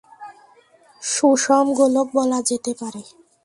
সুষম গোলক বলা যেতে পারে।